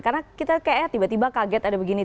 karena kita kayaknya tiba tiba kaget ada begini